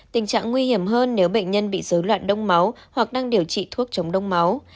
tình trạng nguy hiểm hơn nếu bệnh nhân bị dối loạn đông máu hoặc đang điều trị thuốc chống đông máu